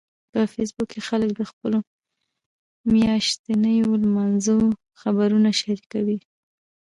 په فېسبوک کې خلک د خپلو میاشتنيو لمانځنو خبرونه شریکوي